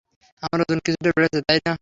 আমার ওজন কিছুটা বেড়েছে, তাই না?